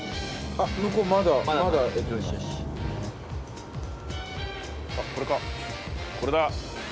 あっこれか。